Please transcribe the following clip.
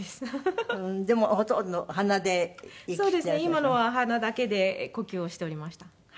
今のは鼻だけで呼吸をしておりました。